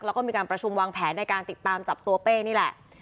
แล้วก็มีการประชุมวางแผนในการติดตามจับตัวเป้นี่แหละ